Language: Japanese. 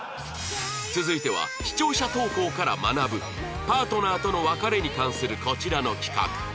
続いては視聴者投稿から学ぶパートナーとの別れに関するこちらの企画